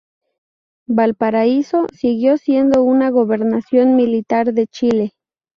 Valparaíso siguió siendo una gobernación militar de Chile.